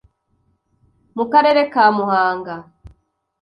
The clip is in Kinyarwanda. Mu karere ka Muhanga